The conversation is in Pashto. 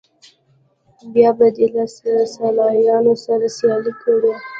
بیا به دې له سیالانو سره سیال کړي.